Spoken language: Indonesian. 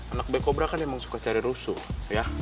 anak black cobra kan emang suka cari rusuh ya